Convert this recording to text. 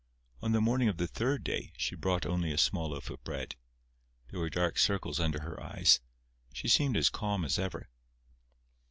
On the morning of the third day she brought only a small loaf of bread. There were dark circles under her eyes. She seemed as calm as ever.